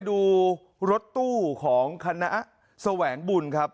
ได้ดูรถตู้ของคณะสว่างบุญครับ